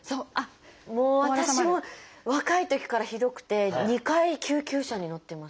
もう私も若いときからひどくて２回救急車に乗ってます。